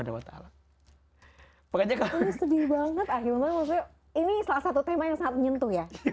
pokoknya sedih banget akhirnya maksudnya ini salah satu tema yang sangat menyentuh ya